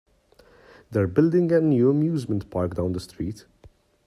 They're building a new amusement park down the street.